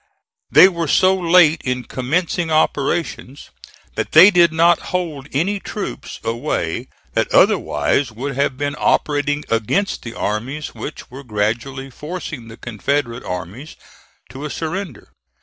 They were so late in commencing operations, that they did not hold any troops away that otherwise would have been operating against the armies which were gradually forcing the Confederate armies to a surrender.